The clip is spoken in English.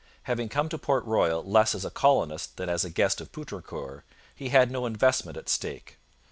Having come to Port Royal less as a colonist than as a guest of Poutrincourt, he had no investment at stake.